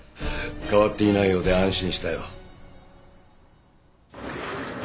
変わっていないようで安心したよ。